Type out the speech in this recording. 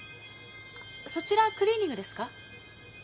そちらクリーニングですか？